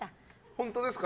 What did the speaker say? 本当ですか？